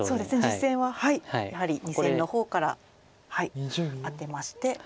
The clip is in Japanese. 実戦はやはり２線の方からアテまして。